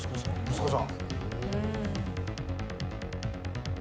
息子さん。